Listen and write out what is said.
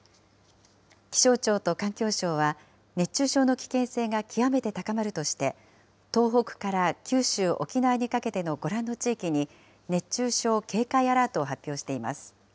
気象庁と環境省は、熱中症の危険性が極めて高まるとして、東北から九州、沖縄にかけてのご覧の地域に熱中症警戒アラートを発表しています。